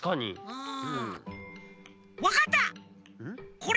うん。